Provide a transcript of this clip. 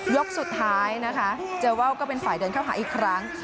ยกสุดท้ายนะคะเจอว่าวก็เป็นฝ่ายเดินเข้าหาอีกครั้ง